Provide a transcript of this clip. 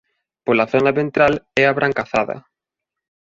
Pola zona ventral é abrancazada.